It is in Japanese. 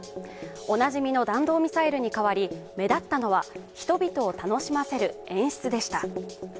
おなじみの弾道ミサイルに変わり目立ったのは、人々を楽しませる演出でした。